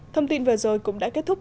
thông tin vừa rồi cũng đã kết thúc